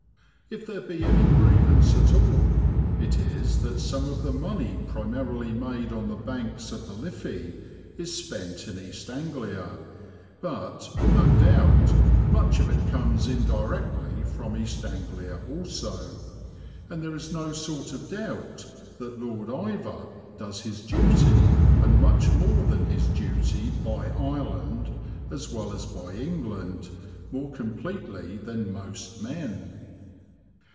If there be any grievance at all it is that some of the money primarily made on the banks of the Liffey is spent in East Anglia; but, no doubt, much of it comes indirectly from East Anglia also, and there is no sort of doubt that Lord Iveagh does his duty, and much more than his duty, by Ireland as well as by England, more completely than most men.